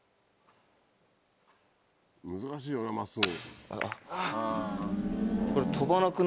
難しいよね真っすぐ。